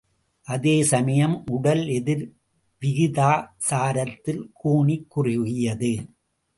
அதேசமயம், உடல் எதிர் விகிதாச்சாரத்தில் கூனிக் குறுகியது.